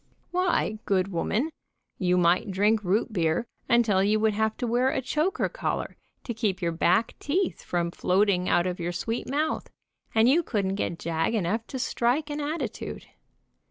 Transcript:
Why, good woman, you might drink root beer until you would have to wear a choker collar to keep your back teeth from floating out of your sweet mouth, and you couldn't get jag enough to strike an attitude.